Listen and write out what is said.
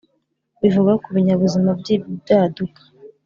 bivuga ku binyabuzima by ibyaduka